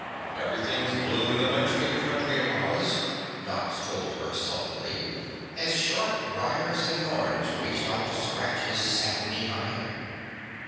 "Everything's blue in the Munchkin Country of Oz," Nox told her sulkily, as sharp briers and thorns reached out to scratch his satiny hide.